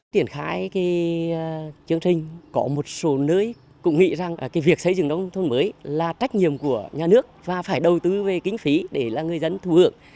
triển khai chương trình có một số nơi cũng nghĩ rằng việc xây dựng nông thôn mới là trách nhiệm của nhà nước và phải đầu tư về kinh phí để người dân thu hưởng